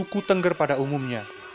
suku tengger pada umumnya